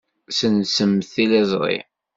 Ssensemt tiliẓri.